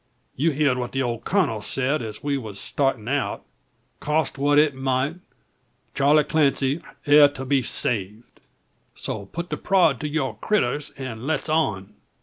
Ye heerd what the old kurnel sayed, as we war startin' out: cost what it mout, Charley Clancy air to be saved. So put the prod to your critters, an' let's on!"